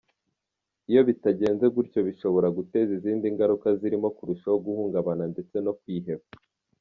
Iyo bitagenze gutyo bishobora guteza izindi ngaruka zirimo kurushaho guhungabana ndetse no kwiheba.